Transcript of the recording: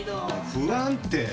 不安定。